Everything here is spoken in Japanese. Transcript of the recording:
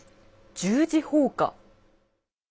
十字砲火？